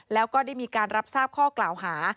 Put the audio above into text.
แล้วก็ได้มีการรับทราบข้อกล่าวหา